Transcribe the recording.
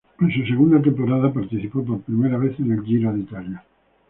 En su segunda temporada, participó por primera vez en el Giro de Italia.